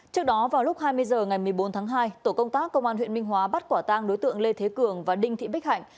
trước đó vào lúc hai mươi h ngày một mươi bốn tháng hai tổ công tác công an huyện minh hóa bắt quả tang đối tượng lê thế cường và đinh thị bích hạnh